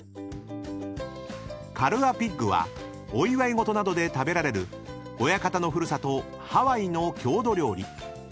［カルアピッグはお祝い事などで食べられる親方の古里ハワイの郷土料理］